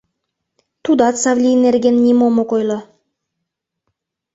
Тудат Савлий нерген нимом ок ойло.